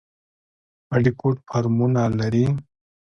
بټي کوټ فارمونه لري؟